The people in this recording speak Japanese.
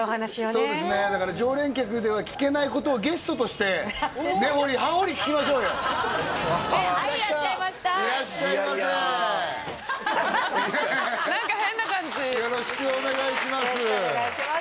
そうですねだから常連客では聞けないことをゲストとして根掘り葉掘り聞きましょうよはいいらっしゃいましたいらっしゃいませ何か変な感じよろしくお願いします